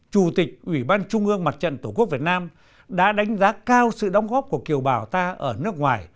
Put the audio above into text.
chủ tịch ủy ban trung ương mặt trận tổ quốc việt nam đã đánh giá cao sự đóng góp của kiều bào ta ở nước ngoài